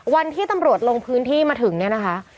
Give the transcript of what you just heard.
วันที่ตำรวจลงพื้นที่มาถึงเนี่ยนะคะ